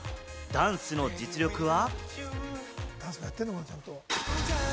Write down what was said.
ダンスの実力は？